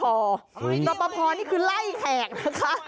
ลพพอนี่คือไล่แขกไทย